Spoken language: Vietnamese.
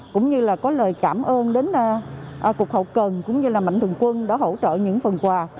cũng như là có lời cảm ơn đến cục hậu cần cũng như là mạnh thường quân đã hỗ trợ những phần quà